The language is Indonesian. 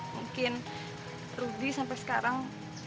mungkin rudy sampai sekarang